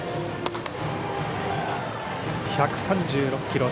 １３６キロ。